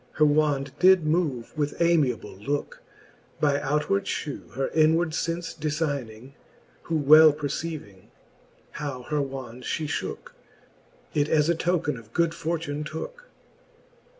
Her wand did move with amiable looke. By outward Ihew her inward fence defining. Who well perceiving, how her wand fhe fhooke. It as a token of good fortune tooke.